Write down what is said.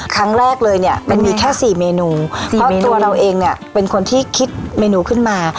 ครั้งแรกเลยเนี่ยมันมีแค่สี่เมนูเพราะตัวเราเองเนี่ยเป็นคนที่คิดเมนูขึ้นมา